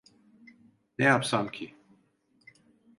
Ne yapsam ki?